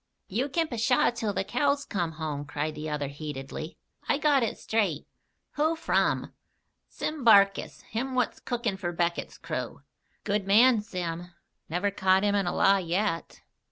"You kin 'pshaw' till the cows come home," cried the other heatedly. "I got it straight." "Who from?" "Sim Barkis, him what's cookin' for Beckett's crew." "Good man, Sim. Never caught him in a lie yet.